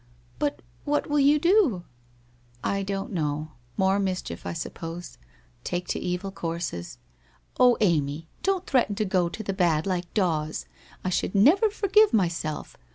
'But what will you do?' ' I don't know. More mischief, 1 suppose, take to evil courses ' 'Oh, Amy, don't threaten to go to the bad like Dawes, I should never forgive myself.